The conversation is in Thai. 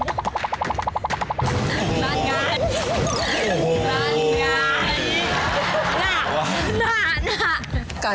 นัดกาล